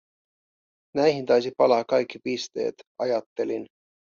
Näihin taisi palaa kaikki pisteet, ajattelin.